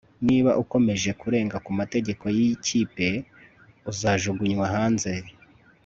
niba ukomeje kurenga ku mategeko yikipe, uzajugunywa hanze